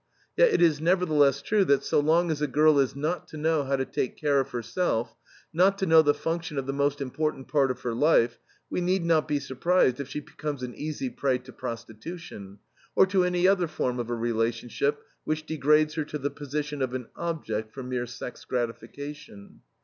Yet it is nevertheless true that so long as a girl is not to know how to take care of herself, not to know the function of the most important part of her life, we need not be surprised if she becomes an easy prey to prostitution, or to any other form of a relationship which degrades her to the position of an object for mere sex gratification.